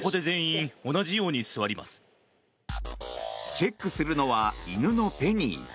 チェックするのは犬のペニー。